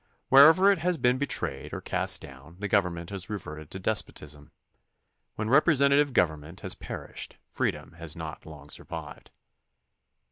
Wherever it has been betrayed or cast down the government has reverted to despotism. When representative govern ment has perished freedom has not long survived.